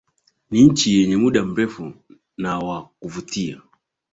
ni nchi yenye muda mrefu na wa kuvutia